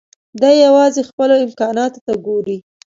دی يوازې خپلو امکاناتو ته ګوري.